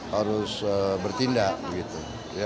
harus bertindak gitu